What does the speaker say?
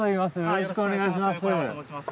よろしくお願いします。